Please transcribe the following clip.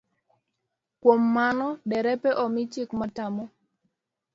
Kuom mano derepe omi chik matamo